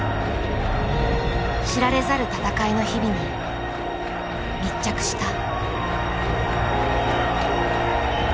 知られざる闘いの日々に密着した。